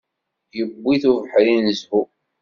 Yewwi-t ubeḥri n zzhu.